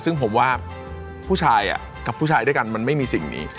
ซึ่งผมว่าผู้ชายกับผู้ชายด้วยกันมันไม่มีสิ่งนี้